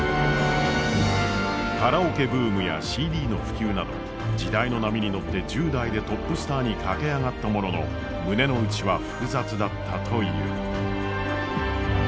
カラオケブームやＣＤの普及など時代の波に乗って１０代でトップスターに駆け上がったものの胸の内は複雑だったという。